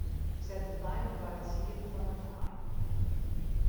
Set de timer foar it sieden fan in aai.